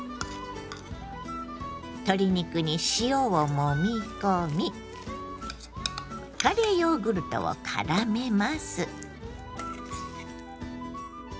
鶏肉に塩をもみ込みカレーヨーグルトをからめます。